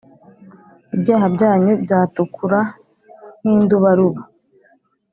ibyaha byanyu byatukura nk’indubaruba,